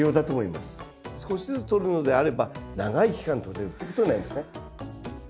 少しずつ取るのであれば長い期間取れるっていうことになりますね。